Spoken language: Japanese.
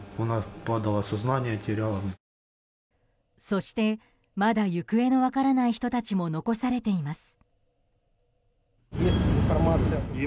そして、まだ行方の分からない人たちも残されています。